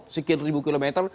sekitar ribu kilometer